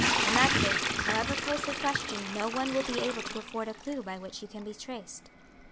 In that case, however closely questioned no one will be able to afford a clue by which you can be traced."